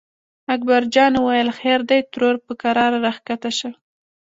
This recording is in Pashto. اکبر جان وویل: خیر دی ترور په کراره راکښته شه.